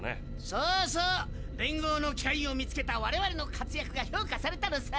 そうそう連合の機雷を見つけた我々の活やくが評価されたのさ。